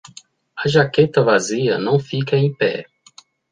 A jaqueta vazia não fica em pé.